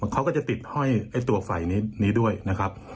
เขาก็จะติดห้อยไอ้ตัวไฟนี้ด้วยนะครับ